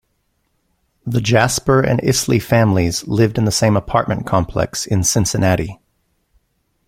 The Jasper and Isley families lived in the same apartment complex in Cincinnati.